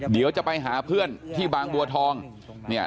เดี๋ยวจะไปหาเพื่อนที่บางบัวทองเนี่ย